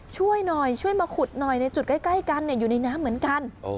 ช่วยหน่อยช่วยมาขุดหน่อยในจุดใกล้กันอยู่ในน้ำเหมือนกัน